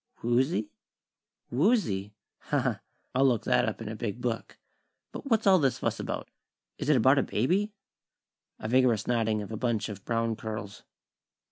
"Woozy? Woozy? Ha, ha! I'll look that up in a big book. But what's all this fuss about? Is it about a baby?" A vigorous nodding of a bunch of brown curls.